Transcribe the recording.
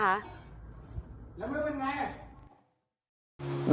แล้วเมื่อมันยังไง